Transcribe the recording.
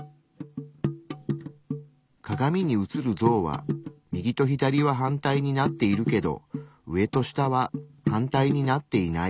鏡に映る像は右と左は反対になっているけど上と下は反対になっていない。